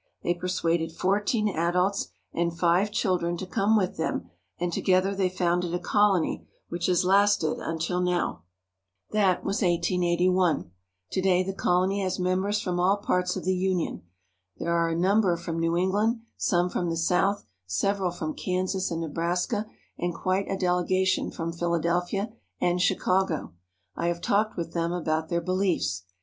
They per suaded fourteen adults and five children to come with them, and together they founded a colony which has lasted until now. That was 1881. To day the colony has members from all parts of the Union. There are a number from New England, some from the South, several from Kansas and Nebraska, and quite a delegation from Philadelphia and Chicago. I have talked with them about their beliefs.